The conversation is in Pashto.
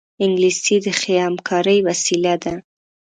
انګلیسي د ښې همکارۍ وسیله ده